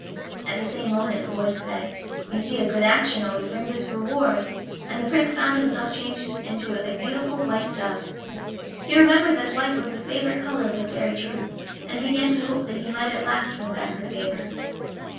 At the same moment a voice said: "You see a good action always brings its reward," and the Prince found himself changed into a beautiful white dove. He remembered that white was the favorite color of the Fairy Truth, and began to hope that he might at last win back her favor.